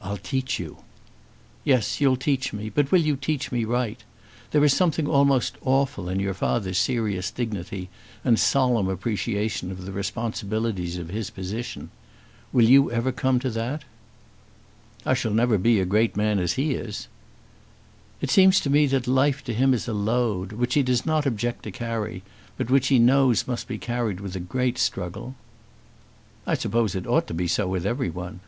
"I'll teach you." "Yes; you'll teach me. But will you teach me right? There is something almost awful in your father's serious dignity and solemn appreciation of the responsibilities of his position. Will you ever come to that?" "I shall never be a great man as he is." "It seems to me that life to him is a load; which he does not object to carry, but which he knows must be carried with a great struggle." "I suppose it ought to be so with everyone."